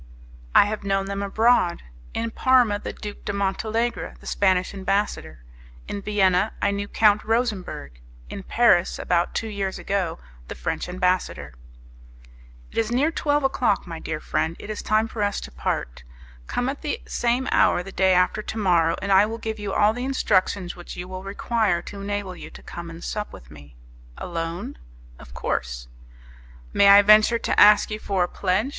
"I have known them abroad. In Parma the Duke de Montalegre, the Spanish ambassador; in Vienna I knew Count Rosemberg; in Paris, about two years ago, the French ambassador." "It is near twelve o'clock, my dear friend; it is time for us to part. Come at the same hour the day after tomorrow, and I will give you all the instructions which you will require to enable you to come and sup with me." "Alone?" "Of course." "May I venture to ask you for a pledge?